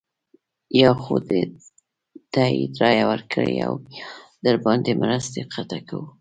یا خو د تایید رایه ورکړئ او یا درباندې مرستې قطع کوو.